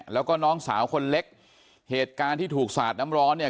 แล้วก็น้องสาวคนเล็กเหตุการณ์ที่ถูกสาดน้ำร้อนเนี่ย